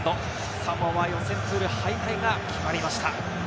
サモアは予選プール敗退が決まりました。